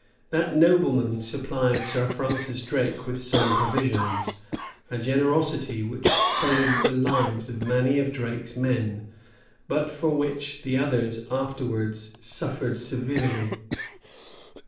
That nobleman supplied Sir Francis Drake with some provisions; a generosity which saved the lives of many of Drake's men, but for which the others afterwards suffered severely.